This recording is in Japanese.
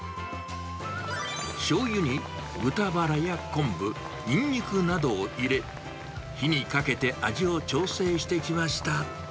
しょうゆに豚バラや昆布、ニンニクなどを入れ、火にかけて味を調整してきました。